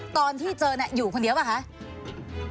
ตอนที่เจออยู่คนเดียวหรือเปล่าคะ